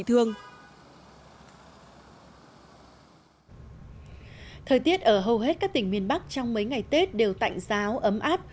thời tiết ở hầu hết các tỉnh miền bắc trong mấy ngày tết đều tạnh giáo ấm áp